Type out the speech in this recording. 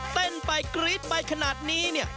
เต้นไปกรี๊ดไปขนาดนี้